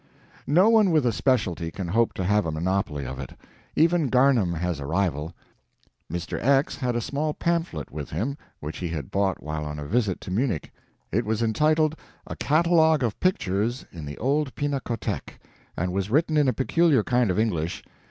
No one with a specialty can hope to have a monopoly of it. Even Garnham has a rival. Mr. X had a small pamphlet with him which he had bought while on a visit to Munich. It was entitled A CATALOGUE OF PICTURES IN THE OLD PINACOTEK, and was written in a peculiar kind of English.